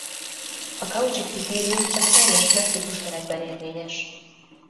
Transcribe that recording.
A Cauchy-kritérium csak teljes metrikus terekben érvényes.